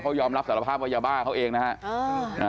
เขายอมรับสารภาพว่ายาบ้าเขาเองนะฮะ